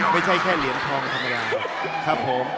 ไม่ใช่แค่เหรียญทองธรรมดาครับผม